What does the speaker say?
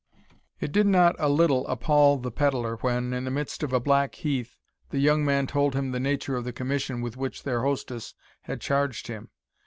It did not a little appal the pedlar, when, in the midst of a black heath, the young man told him the nature of the commission with which their hostess had charged him.